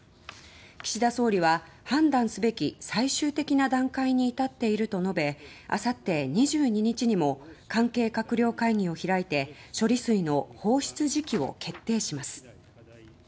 岸田総理は判断すべき最終的な段階に至っていると述べ明後日２２日にも関係閣僚会議を開いて処理水の放出時期を決定します。